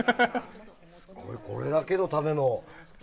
すごい、これだけのための。